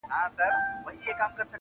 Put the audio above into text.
له ښاره ووزه، له نرخه ئې مه وزه.